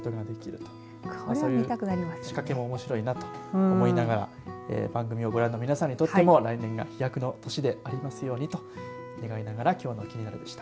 そういう仕掛けもおもしろいなと思いながら番組をご覧の皆さんにとっても来年が飛躍の年でありますようにと願いながらきょうのキニナル！でした。